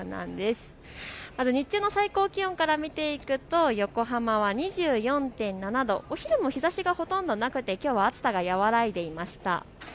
日中の最高気温から見ると横浜は２４．７度、お昼も日ざしがほとんどなくて暑さが和らいでいました。